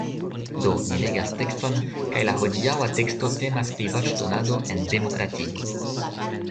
Do, ni legas tekston kaj la hodiaŭa teksto temas pri voĉdonado en demokratio